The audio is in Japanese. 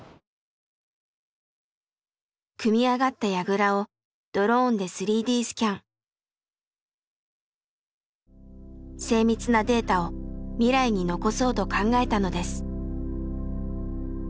組み上がったやぐらをドローンで精密なデータを未来に残そうと考えたのです。